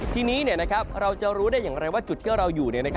ทีนี้เราจะรู้ได้อย่างไรว่าจุดที่เราอยู่